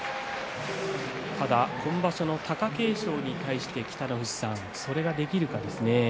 ただ今場所の貴景勝に対して、それができるかですね。